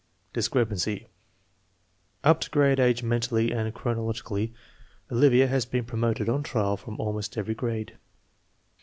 Discrepancy: Up to grade age mentally and chronologi cally, Olivia has been promoted on trial from almost every grade.